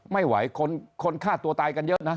ไม่ไหวเคอร์น์คาดตัวตายกันเยอะนะ